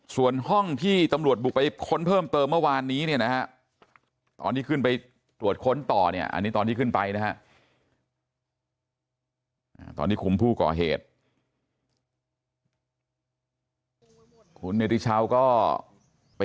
ส่วนห้องที่ตำรวจบุกไปค้นเพิ่มเติมเมื่อวานนี้เนี่ยนะฮะตอนที่ขึ้นไปตรวจค้นต่อเนี่ยอันนี้ตอนที่ขึ้นไปนะฮะ